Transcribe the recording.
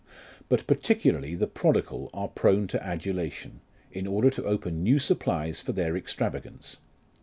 But particularly the prodigal are prone to adulation, in order to open new supplies for their extravagance.